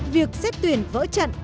việc xét tuyển vỡ chận